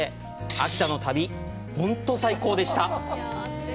秋田の旅、ホント最高でした。